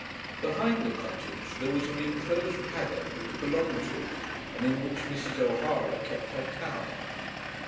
Behind the cottage there was an enclosed paddock which belonged to it, and in which Mrs. O'Hara kept her cow.